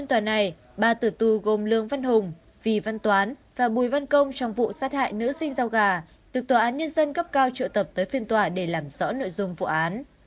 tòa án nhân dân gấp cao trụ tập tới phiên tòa để làm rõ nội dung vụ án